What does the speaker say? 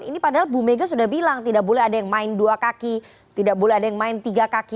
ini padahal bu mega sudah bilang tidak boleh ada yang main dua kaki tidak boleh ada yang main tiga kaki